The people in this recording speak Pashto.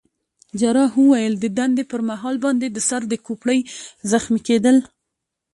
جراح وویل: د دندې پر مهال باندي د سر د کوپړۍ زخمي کېدل.